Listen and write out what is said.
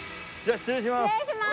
失礼しまーす！